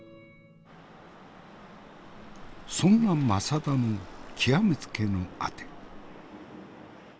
そんな政田の極めつけのあて。